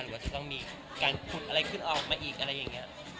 ว่าจะต้องมีการขุดอะไรขึ้นออกมาอีกอะไรอย่างนี้